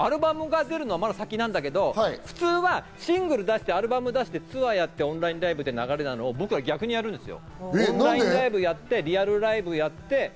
っアルバムが出るのはまだ先なんだけど、普通はシングル出して、アルバム出して、ツアーやって、オンラインライブって流れなのを僕は逆にやるんですよ。